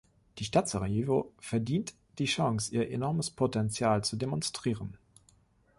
Die Stadt Sarajevo verdient die Chance, ihr enormes Potenzial zu demonstrieren.